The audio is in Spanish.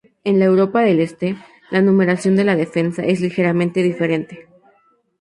En la Europa del este, la numeración de la defensa es ligeramente diferente.